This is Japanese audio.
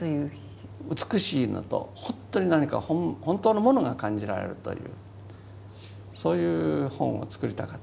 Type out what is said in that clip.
美しいのとほんとに何か本当のものが感じられるというそういう本を作りたかった。